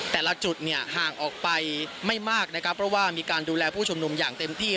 แต่ละจุดเนี่ยห่างออกไปไม่มากนะครับเพราะว่ามีการดูแลผู้ชุมนุมอย่างเต็มที่